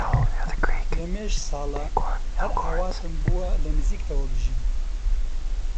لەمێژ ساڵە هەر ئاواتم بووە لە نزیکتەوە بژیم